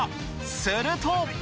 すると。